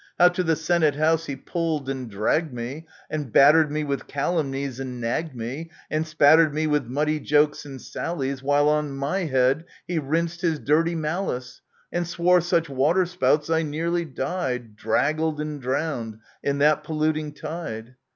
* How to the Senate House he pulled and dragged me, And battered me with calumnies, and nagged me, And spattered me with muddy jokes and sallies, While on my head he rinsed his dirty malice, And swore such water spouts, I nearly died Draggled and drowned in that polluting tide